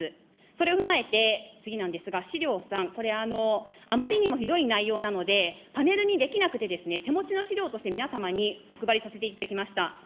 それを踏まえて次なんですが、資料３、これ、あまりにもひどい内容なので、パネルに出来なくてですね、手持ちの資料として皆様にお配りさせていただきました。